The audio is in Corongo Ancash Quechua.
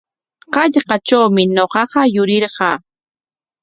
Hallqatrawmi ñuqaqa yurirqaa.